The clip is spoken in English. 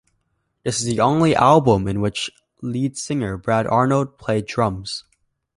This is the only album on which lead singer Brad Arnold played drums.